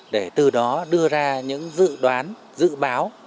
để từ đó đưa ra những dự đoán dự báo